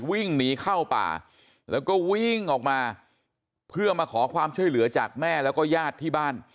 วิ่งหนีเข้าป่าแล้วก็วิ่งออกมาเพื่อมาขอความช่วยเหลือจากแม่แล้วก็ญาติที่บ้าน